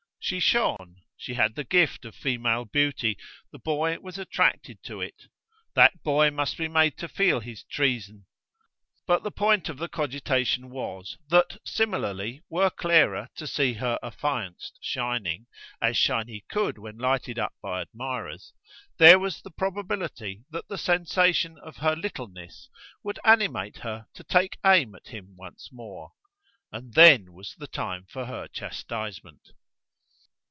She shone; she had the gift of female beauty; the boy was attracted to it. That boy must be made to feel his treason. But the point of the cogitation was, that similarly were Clara to see her affianced shining, as shine he could when lighted up by admirers, there was the probability that the sensation of her littleness would animate her to take aim at him once more. And then was the time for her chastisement.